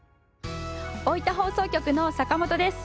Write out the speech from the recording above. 大分放送局の坂本です。